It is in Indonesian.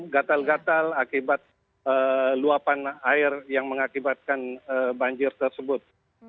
gatal gatal akibat luapan air yang mengakibatkan banjir tersebut